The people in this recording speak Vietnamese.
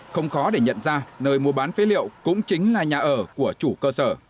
không khó để nhận ra nơi mua bán phế liệu cũng chính là nhà ở của chủ cơ sở